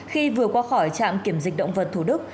khi vừa qua khỏi trạm kiểm dịch động vật thủ đức